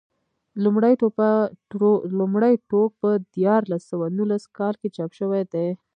لومړی ټوک په دیارلس سوه نولس کال کې چاپ شوی دی.